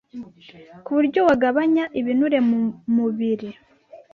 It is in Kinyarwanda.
k’uburyo wagabanya ibinure mu mubiri